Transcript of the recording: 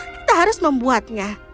kita harus membuatnya